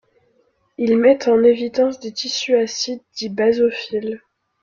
Ils mettent en évidence des tissus acides, dits basophiles.